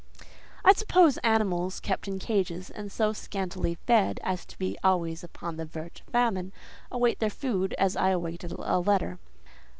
I suppose animals kept in cages, and so scantily fed as to be always upon the verge of famine, await their food as I awaited a letter.